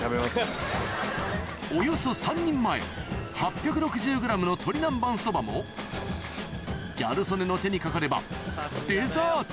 およそ３人前８６０ｇの鶏南蛮そばもギャル曽根の手にかかればデザート